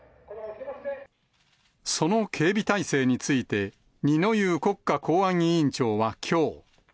その警備体制について、二之湯国家公安委員長はきょう。